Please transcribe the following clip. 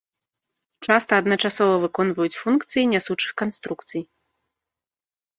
Часта адначасова выконваюць функцыі нясучых канструкцый.